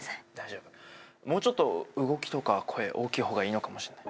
もうちょっと動きとか、声、大きいほうがいいのかもしれない。